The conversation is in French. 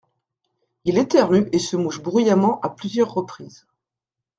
Il éternue et se mouche bruyamment à plusieurs reprises.